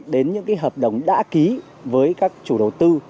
đến những hợp đồng đã ký với các chủ đầu tư